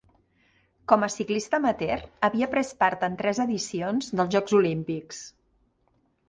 Com a ciclista amateur, havia pres part en tres edicions dels Jocs Olímpics.